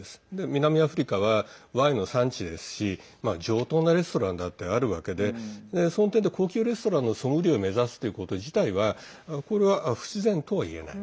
南アフリカはワインの産地ですし上等なレストランだってあるわけでその点で高級レストランのソムリエを目指すということ自体はこれは不自然とはいえない。